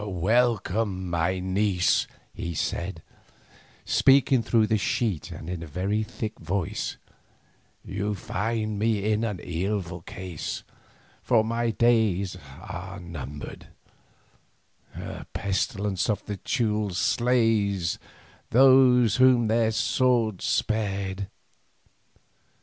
"Welcome, niece," he said, speaking through the sheet and in a thick voice; "you find me in an evil case, for my days are numbered, the pestilence of the Teules slays those whom their swords spared.